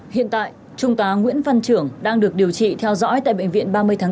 hiện tại trung tá nguyễn văn trưởng đang được điều trị theo dõi tại bệnh viện ba mươi tháng bốn